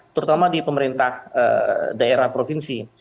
terutama di pemerintah daerah provinsi